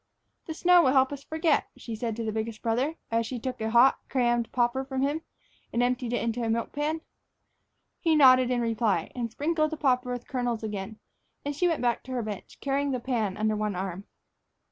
"The snow will help us to forget," she said to the biggest brother, as she took a hot, crammed popper from him and emptied it into a milk pan. He nodded in reply, and sprinkled the popper with kernels again, and she went back to her bench, carrying the pan under one arm.